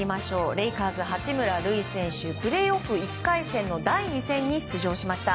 レイカーズ、八村塁選手プレーオフ１回戦の第２戦に出場しました。